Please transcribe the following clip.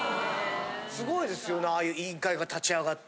すごいですよねああいう委員会が立ち上がって。